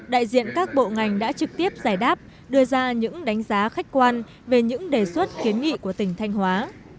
đại diện các bộ ngành đã trực tiếp giải đáp đưa ra những đánh giá khách quan về những đề xuất kiến nghị của tỉnh thanh hóa